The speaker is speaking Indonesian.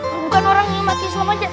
bukan orang yang mati islam aja